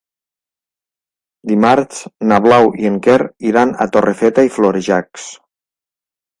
Dimarts na Blau i en Quer iran a Torrefeta i Florejacs.